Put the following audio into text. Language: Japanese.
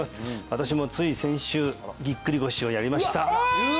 私もつい先週ぎっくり腰をやりましたえ！